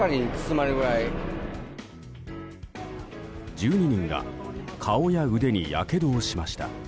１２人が顔や腕にやけどをしました。